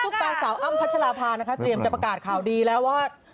ตาสาวอ้ำพัชราภานะคะเตรียมจะประกาศข่าวดีแล้วว่า